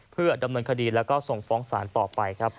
เพื่อดำเนินคดีแล้วก็ส่งฟ้องศาลต่อไปครับ